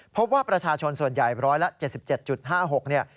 เพราะว่าประชาชนส่วนใหญ่ร้อยละ๗๗๕๖เนี่ย